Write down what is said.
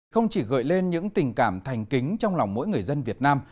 không chỉ gợi lên những tình cảm thành kính trong lòng mỗi người dân việt nam